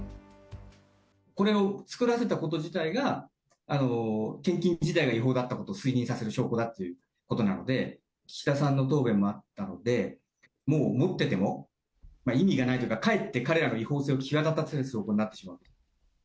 これを作らせたこと自体が、献金自体が違法だったことを推認させる証拠だということになるので、岸田さんの答弁もあったので、もう持ってても意味がないというか、かえって彼らの違法性を際立たせる証拠になってしまうと。